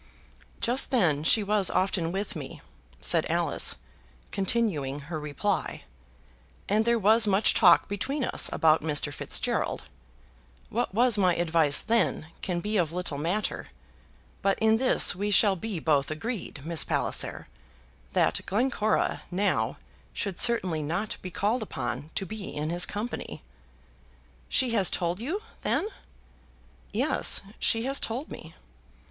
"Just then she was often with me," said Alice, continuing her reply; "and there was much talk between us about Mr. Fitzgerald. What was my advice then can be of little matter; but in this we shall be both agreed, Miss Palliser, that Glencora now should certainly not be called upon to be in his company." "She has told you, then?" "Yes; she has told me."